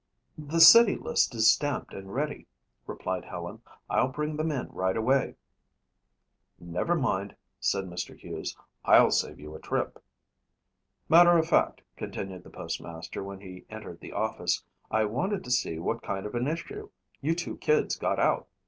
"The city list is stamped and ready," replied Helen. "I'll bring them in right away." "Never mind," said Mr. Hughes, "I'll save you a trip." "Matter of fact," continued the postmaster when he entered the office, "I wanted to see what kind of an issue you two kids got out."